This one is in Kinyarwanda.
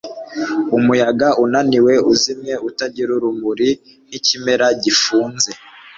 Umuyaga unaniwe uzimye utagira urumuri nkikiremwa gifunze